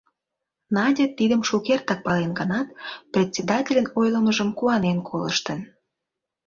Надя тидым шукертак пален гынат, председательын ойлымыжым куанен колыштын.